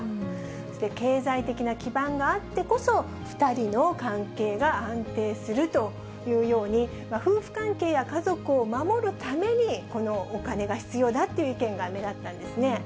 そして経済的な基盤があってこそ、２人の関係が安定するというように、夫婦関係や家族を守るために、このお金が必要だという意見が目立ったんですね。